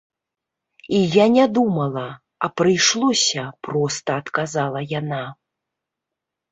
І я не думала. А прыйшлося, - проста адказала яна.